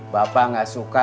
bapak gak suka